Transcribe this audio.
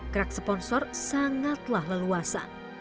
gerak sponsor sangatlah leluasa